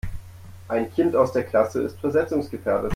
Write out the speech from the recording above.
Ein Kind aus der Klasse ist versetzungsgefährdet.